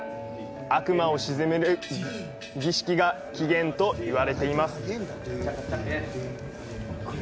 悪魔を鎮める儀式が起源といわれています。